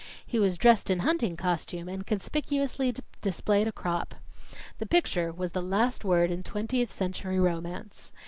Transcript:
He was dressed in hunting costume and conspicuously displayed a crop. The picture was the last word in Twentieth Century Romance.